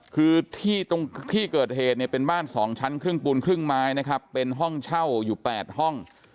คือที่ตรงที่เกิดเหตุเนี่ยเป็นบ้าน๒ชั้นครึ่งปูนครึ่งไม้นะครับเป็นห้องเช่าอยู่๘ห้อง